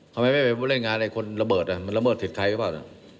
ทำให้ไม่ได้มาเล่นงานอะไรคนละเบิดละเมิดสิทธิ์ใครก็เปล่า